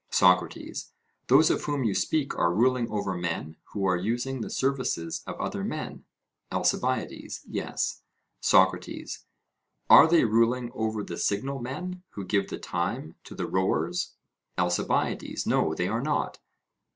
SOCRATES: Those of whom you speak are ruling over men who are using the services of other men? ALCIBIADES: Yes. SOCRATES: Are they ruling over the signal men who give the time to the rowers? ALCIBIADES: No; they are not.